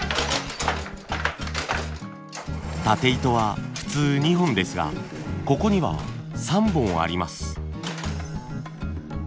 たて糸は普通２本ですがここには３本あります。